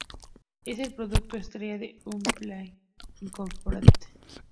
Es el producto estrella de Uncharted Play, Incorporated.